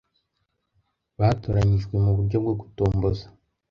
Batoranyijwe mu buryo bwo gutomboza.